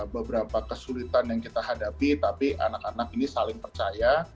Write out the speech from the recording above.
beberapa kesulitan yang kita hadapi tapi anak anak ini saling percaya